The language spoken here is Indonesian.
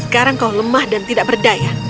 sekarang kau lemah dan tidak berdaya